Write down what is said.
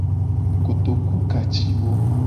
Kotoku ka ci wo.